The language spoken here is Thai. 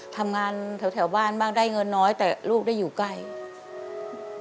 ทำงานแถวบ้านบ้างได้เงินน้อยแต่ลูกได้อยู่ใกล้